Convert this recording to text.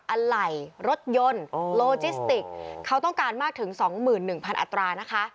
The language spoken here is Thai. อะไรรถยนต์โลจิสติกเขาต้องการมากถึง๒๑๐๐อัตรานะคะ